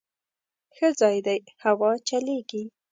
_ښه ځای دی، هوا چلېږي.